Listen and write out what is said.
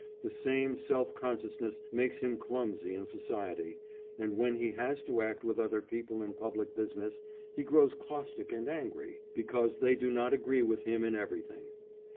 The same self consciousness makes him clumsy in society, and, when he has to act with other people in public business, he grows caustic and angry because they do not agree with him in everything.